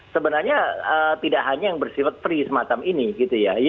sebenarnya tidak hanya yang bersifat free semacam ini gitu ya